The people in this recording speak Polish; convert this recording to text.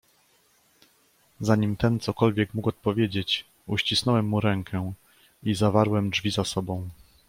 "Zanim ten cokolwiek mógł odpowiedzieć, uścisnąłem mu rękę i zawarłem drzwi za sobą."